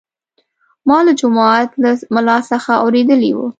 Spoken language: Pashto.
ما له جومات له ملا څخه اورېدلي وو.